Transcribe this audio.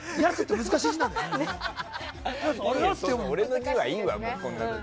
俺の字はいいわ。